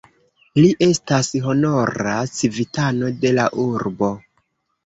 Li estas honora civitano de la urbo.